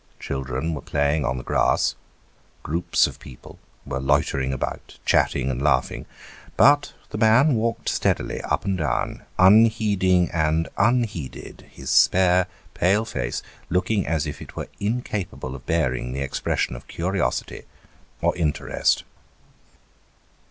Children were playing on the grass ; groups of people were loitering about, chatting and laughing ; but the man walked steadily up and down, unheeding and unheeded, his spare pale face looking as if it were incapable of bearing the expression of curiosity or interest.